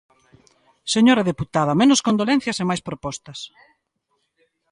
Señora deputada, menos condolencias e máis propostas.